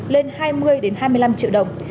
lên hai mươi đến hai mươi năm triệu đồng